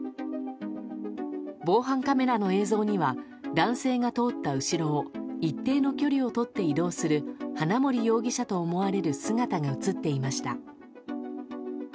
防犯カメラの映像には男性が通った後ろを一定の距離をとって移動する花森容疑者と思われる姿が映っていました。